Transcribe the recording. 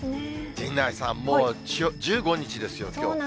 陣内さん、もう１５日ですよ、きょう。